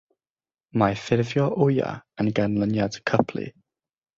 Mae ffurfio wyau yn ganlyniad cyplu.